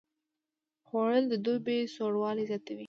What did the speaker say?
خوړل د دوبي سوړوالی زیاتوي